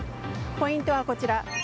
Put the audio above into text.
ポイントはこちら。